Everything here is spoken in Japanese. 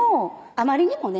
あまりにもね